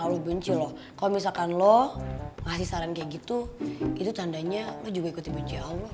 lo benci loh kalau misalkan lo ngasih saran kayak gitu itu tandanya lo juga ikuti benci allah